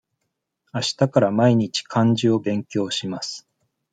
あしたから毎日漢字を勉強します。